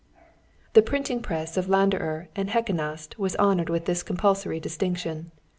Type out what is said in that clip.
The printing press of Landerer and Heckenast was honoured with this compulsory distinction.